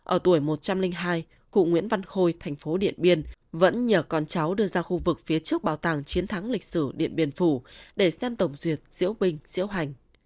ở tuổi một trăm linh hai cụ nguyễn văn khôi thành phố điện biên vẫn nhờ con cháu đưa ra khu vực phía trước bảo tàng chiến thắng lịch sử điện biên phủ để xem tổng duyệt diễu bình diễu hành